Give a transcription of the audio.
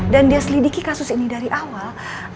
dan dia selidiki kasus ini dari awal